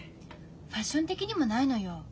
ファッション的にもないのよ。